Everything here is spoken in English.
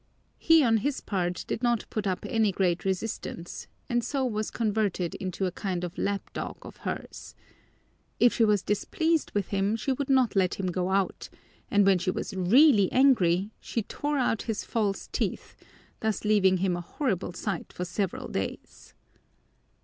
He on his part did not put up any great resistance and so was converted into a kind of lap dog of hers. If she was displeased with him she would not let him go out, and when she was really angry she tore out his false teeth, thus leaving him a horrible sight for several days.